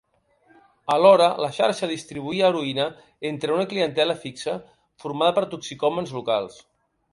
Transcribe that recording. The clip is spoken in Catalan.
Alhora, la xarxa distribuïa heroïna entre una clientela fixa formada per toxicòmans locals.